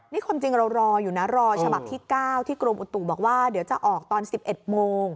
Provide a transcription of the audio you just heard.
นี่ความจริงเรารออยู่นะรอฉบับที่๙ที่กรมอุตุบอกว่าเดี๋ยวจะออกตอน๑๑โมง